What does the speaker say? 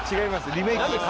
リメイクです。